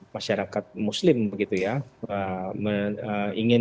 masyarakat muslim gitu ya benar ingin